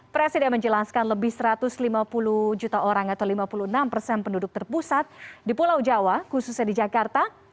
presiden menjelaskan lebih satu ratus lima puluh juta orang atau lima puluh enam persen penduduk terpusat di pulau jawa khususnya di jakarta